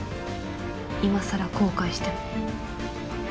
今さら「後悔」しても。